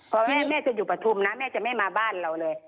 พอแม่จะอยู่ปฐุมนะแม่จะไม่มาบ้านเราเลย